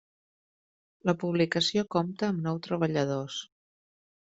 La publicació compta amb nou treballadors.